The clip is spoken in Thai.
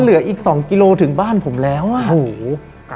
เหลือสองกิโลถึงบ้านผมแล้วอ่ะ